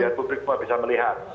biar publik pun bisa melihat